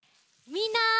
みんな！